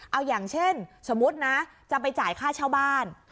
เอาอย่างเช่นสมมุตินะจะไปจ่ายค่าเช่าบ้าน